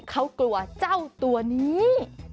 เขากลัวเจ้าตัวนี้